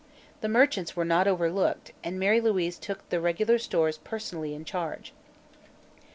The merchants were not overlooked and Mary Louise took the regular stores personally in charge.